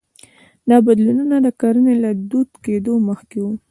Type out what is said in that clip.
دا بدلونونه د کرنې له دود کېدو مخکې وو